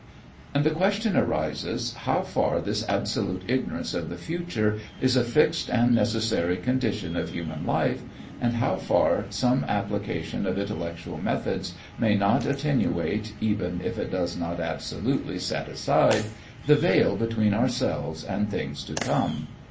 And the question arises how far this absolute ignorance of the future is a fixed and necessary condition of human life, and how far some application of intellectual methods may not attenuate even if it does not absolutely set aside the veil between ourselves and things to come.